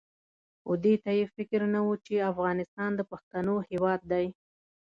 خو دې ته یې فکر نه وو چې افغانستان د پښتنو هېواد دی.